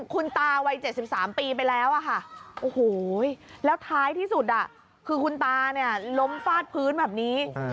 คุณตาวัย๗๓ปีไปแล้วค่ะโอ้โหแล้วท้ายที่สุดคือคุณตาเนี่ยล้มฟาดพื้นแบบนี้